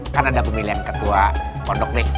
kan ada pemilihan ketua kondok nih